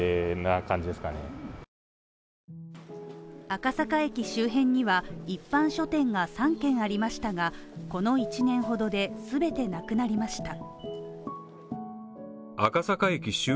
赤坂駅周辺には、一般書店が３軒ありましたがこの一年ほどですべてなくなりました。